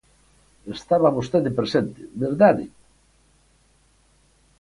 Estaba vostede presente ¿verdade?